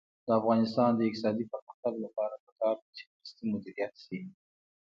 د افغانستان د اقتصادي پرمختګ لپاره پکار ده چې مرستې مدیریت شي.